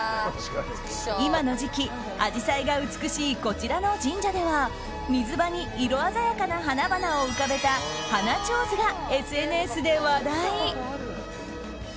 今の時期、アジサイが美しいこちらの神社では水場に色鮮やかな花々を浮かべた花手水がＳＮＳで話題。